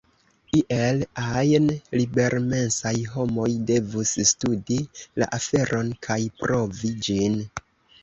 Iel ajn, libermensaj homoj devus studi la aferon kaj provi ĝin.